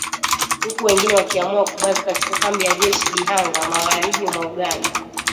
huku wengine wakiamua kubaki katika kambi ya jeshi ya Bihanga, magharibi mwa Uganda